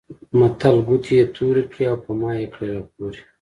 متل؛ ګوتې يې تورې کړې او په مايې کړې راپورې.